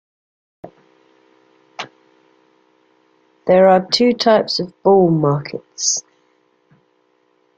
There are two types of bull markets.